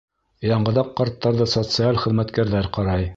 Яңғыҙаҡ ҡарттарҙы социаль хеҙмәткәрҙәр ҡарай.